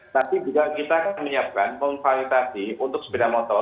tapi juga kita akan menyiapkan konvalitasi untuk sepeda motor